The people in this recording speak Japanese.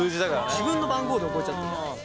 自分の番号で覚えちゃってる。